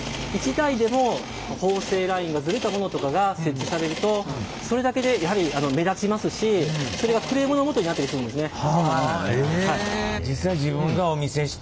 １台でも縫製ラインがズレたものとかが設置されるとそれだけでやはり目立ちますしそれがクレームのもとになったりするんですね。